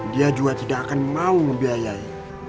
dia juga tidak akan mau membiayai